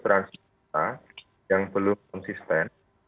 transjakarta yang belum konsisten